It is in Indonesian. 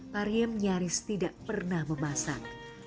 pariem nyaris tidak pernah memasak